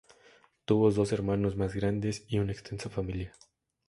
Tuvo dos hermanos más grandes y una extensa familia.